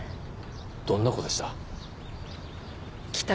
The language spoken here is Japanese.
どんな子でした？